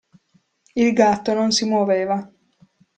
Il gatto non si muoveva.